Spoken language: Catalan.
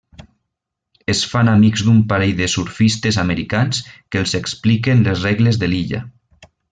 Es fan amics d'un parell de surfistes americans que els expliquen les regles de l'illa.